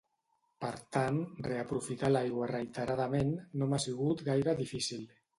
Per tant, reaprofitar l'aigua reiteradament no m'ha sigut gaire difícil.